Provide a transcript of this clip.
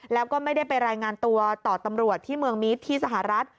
แล้วก็ไม่ได้ไปรายงานตัวต่อตำรวจที่เมืองมีดที่สหรัฐ